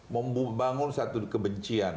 membangun satu kebencian